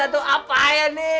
untuk terrifying ini